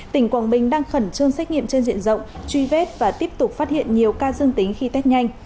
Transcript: tỉnh quảng bình đang khẩn trương xét nghiệm trên diện rộng truy vết và tiếp tục phát hiện nhiều ca dương tính khi test nhanh